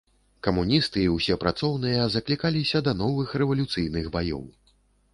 Камуністы і ўсе працоўныя заклікаліся да новых рэвалюцыйных баёў.